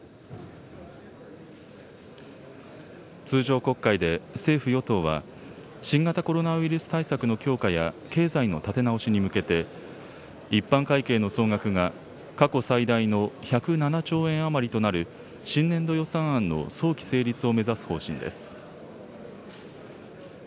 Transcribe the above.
通常国会で政府・与党は、新型コロナウイルス対策の強化や、経済の立て直しに向けて、一般会計の総額が過去最大の１０７兆円余りとなる、新年度予算案の早期成立を目指す方針です。